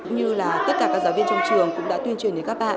như là tất cả các giáo viên trong trường cũng đã tuyên truyền được phong trào này